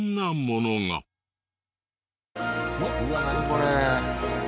これ。